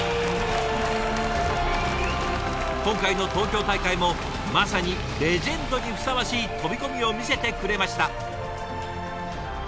今回の東京大会もまさにレジェンドにふさわしい飛び込みを見せてくれました。